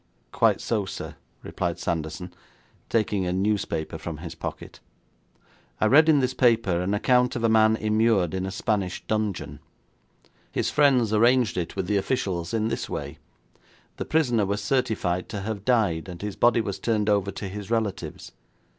'Quite so, sir,' replied Sanderson, taking a newspaper from his pocket. 'I read in this paper an account of a man immured in a Spanish dungeon. His friends arranged it with the officials in this way: The prisoner was certified to have died, and his body was turned over to his relatives.